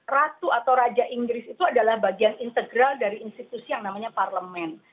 ratu atau raja inggris itu adalah bagian integral dari institusi yang namanya parlemen